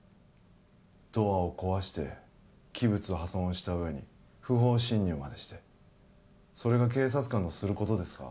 ドアを壊して器物破損をした上に不法侵入までしてそれが警察官のすることですか？